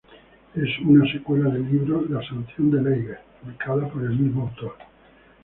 Es una secuela del libro "La sanción del Eiger", publicada por el mismo autor.